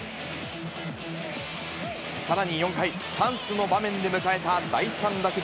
さらに４回、チャンスの場面で迎えた第３打席。